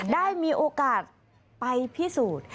ได้มีโอกาสไปพิสูจน์